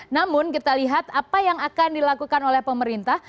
namun kita lihat apa yang akan dilakukan oleh pemerintah